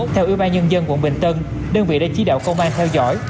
theo ủy ban nhân dân quận bình tân đơn vị đã chỉ đạo công an theo dõi